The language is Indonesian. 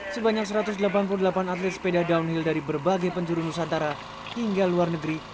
sebanyak satu ratus delapan puluh delapan atlet sepeda downhill dari berbagai penjuru nusantara hingga luar negeri